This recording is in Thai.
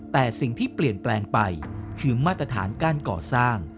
แต่สิ่งที่เปลี่ยนแปลงไปคือมาตรฐานการก่อสร้าง